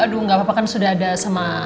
aduh gak apa apakan sudah ada sama